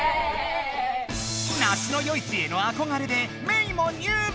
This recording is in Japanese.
那須与一へのあこがれでメイも入部！